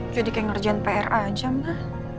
jadi kayak ngerjain pra aja mbak